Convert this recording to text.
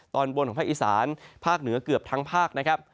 ตอนบนของภาคอีสานภาคเหนือเกือบทั้งภาคนะครับ